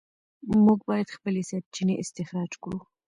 موږ باید خپلې سرچینې استخراج کړو.